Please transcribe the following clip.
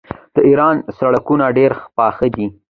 د ایران سړکونه ډیر پاخه دي.